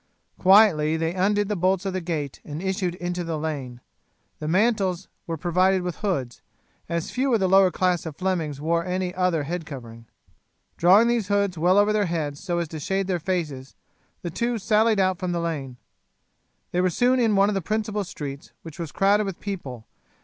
Quietly they undid the bolts of the gate and issued into the lane. The mantles were provided with hoods, as few of the lower class of Flemings wore any other head covering. Drawing these hoods well over their heads so as to shade their faces the two sallied out from the lane. They were soon in one of the principal streets, which was crowded with people.